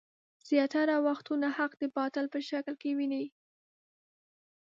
زياتره وختونه حق د باطل په شکل کې ويني.